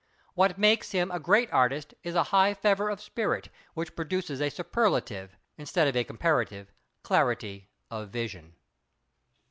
What makes him a great artist is a high fervour of spirit, which produces a superlative, instead of a comparative, clarity of vision.